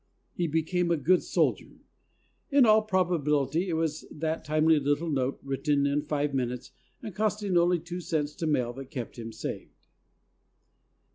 He became a good soldier. In all probability it was that timely little note, written in five minutes and costing only two cents to mail that kept him saved.